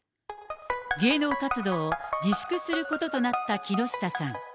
芸能活動を自粛することとなった木下さん。